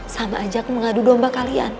sama aja aku mengadu domba kalian